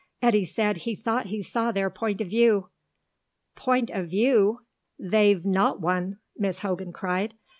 Eddy said he thought he saw their point of view. "Point of view! They've not one," Miss Hogan cried.